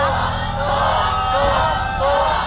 ถูก